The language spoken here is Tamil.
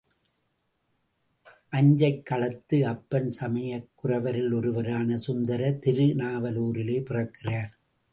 அஞ்சைக் களத்து அப்பன் சமய குரவரில் ஒருவரான சுந்தரர் திரு நாவலூரிலே பிறக்கிறார்.